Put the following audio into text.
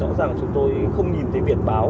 rõ ràng chúng tôi không nhìn thấy biển báo